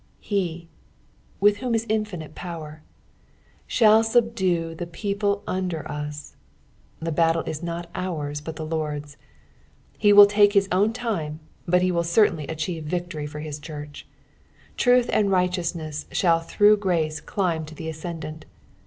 8. "Be," with whom is infinite power, "ihall tubdue the people tmder t«." The battle is not ours but the Lord's. He wil! take his own time, but he will certainly achieve victory for his church. Truth and righteous ness shall tliruugli grace climb to the ascendant.